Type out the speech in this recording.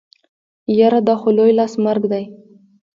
يره دا خو لوی لاس مرګ دی.